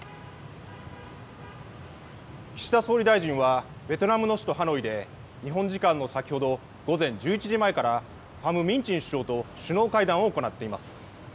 岸田総理大臣はベトナムの首都ハノイで日本時間の先ほど午前１１時前からファム・ミン・チン首相と首脳会談を行っています。